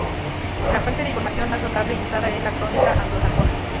La fuente de información más notable y usada es la Crónica Anglo-Sajona.